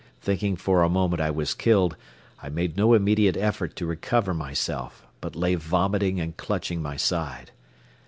Thinking for a moment I was killed, I made no immediate effort to recover myself, but lay vomiting and clutching my side.